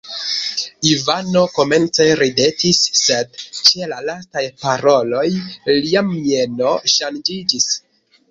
Ivano komence ridetis, sed ĉe la lastaj paroloj lia mieno ŝanĝiĝis.